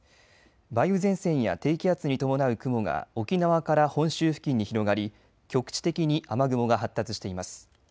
梅雨前線や低気圧に伴う雲が沖縄から本州付近に広がり局地的に雨雲が発達しています。